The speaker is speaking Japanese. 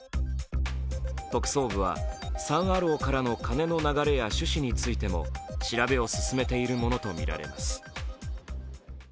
特捜部はサン・アローからの金の流れや趣旨についても調べを進めているものとみられます。